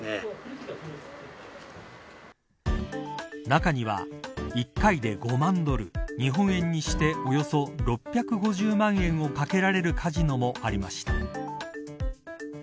中には１回で５万ドル日本円にしておよそ６５０万円を賭けられるカジノもありました。